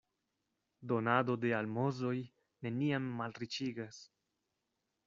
Donado de almozoj neniam malriĉigas.